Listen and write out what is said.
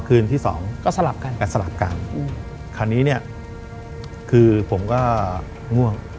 คืนที่สองก็สลับกันไปกันสลับกันคราวนี้เนี่ยคือผมก็ง่วง